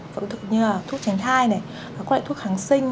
phẫu thuật như là thuốc tránh thai này có loại thuốc kháng sinh